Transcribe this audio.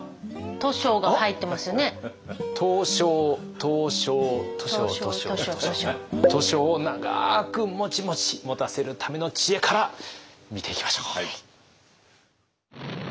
図書をながくモチモチもたせるための知恵から見ていきましょう。